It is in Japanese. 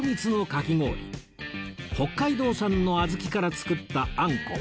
北海道産のあずきから作ったあんこ